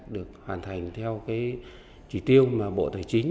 được hoàn thành theo chỉ tiêu của bộ tài chính